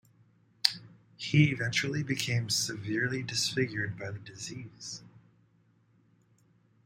He eventually became severely disfigured by the disease.